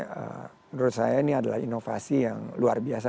menurut saya ini adalah inovasi yang luar biasa